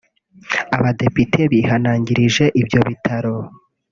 Abadepite bihanangirije ibyo bitaro